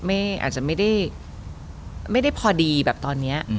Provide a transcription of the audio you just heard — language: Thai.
อาจจะไม่ได้พอดีแบบตอนนี้